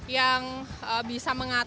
yang bisa mengatasi